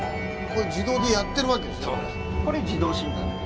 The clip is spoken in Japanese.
これ自動でやってるわけですね。